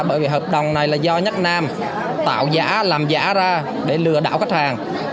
bởi vì hợp đồng này là do nhất nam tạo giá làm giả ra để lừa đảo khách hàng